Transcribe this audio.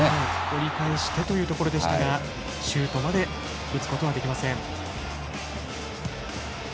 折り返してというところでしたがシュートまで打つことはできません。